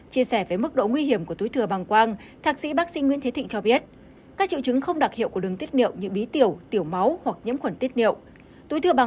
chia sẻ với mức độ nguy hiểm của túi thừa bảng quang thạc sĩ bác sĩ nguyễn thế thịnh cho biết